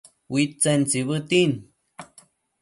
Uidtsen tsibëtin